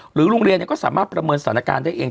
โรงเรียนก็สามารถประเมินสถานการณ์ได้เอง